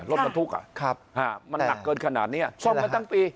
รถบรรทุกมันหนักเกินขนาดนี้ซ่อมกันทั้งปี